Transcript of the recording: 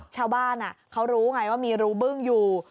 ชาวบ้านเขารู้ไงว่ามีรูบึ้งอยู่